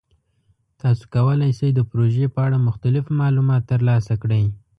تاسو کولی شئ د پروژې په اړه مختلف معلومات ترلاسه کړئ.